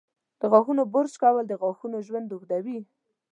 د غاښونو برش کول د غاښونو ژوند اوږدوي.